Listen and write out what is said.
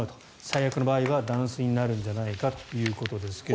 最悪の場合は断水になるんじゃないかということですが。